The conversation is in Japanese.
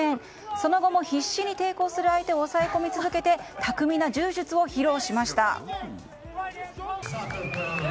その後も必死に抵抗する相手を押さえ込み続けて巧みな柔術を披露しました。